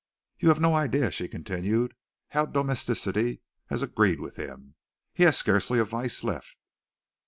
You have no idea," she continued, "how domesticity has agreed with him. He has scarcely a vice left."